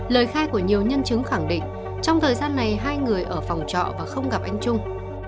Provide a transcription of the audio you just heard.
lời khai của nhiều nhân chứng khẳng định trong thời gian này hai người ở phòng trọ và không gặp anh trung